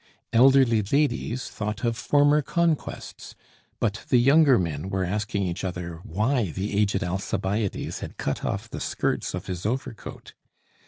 Elderly ladies thought of former conquests; but the younger men were asking each other why the aged Alcibiades had cut off the skirts of his overcoat.